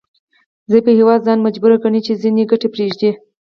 ضعیف هیواد ځان مجبور ګڼي چې ځینې ګټې پریږدي